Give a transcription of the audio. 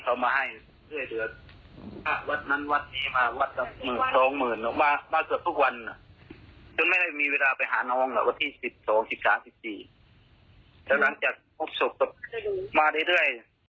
แล้วหลังจากพวกศพก็มาได้ด้วย